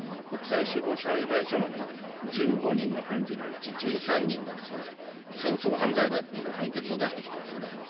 国際司法裁判所の１５人の判事のうち１３人が戦争犯罪だという判決を出してきているんですよね。